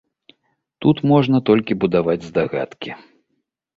Тут можна толькі будаваць здагадкі.